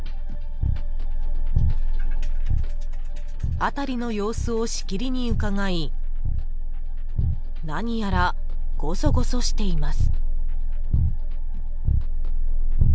［辺りの様子をしきりにうかがい何やらごそごそしています］